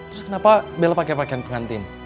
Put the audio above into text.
terus kenapa bella pakai pakaian pengantin